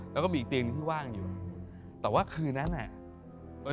แล้วก็มีอีกตีงนี่ที่รอบคราวอยู่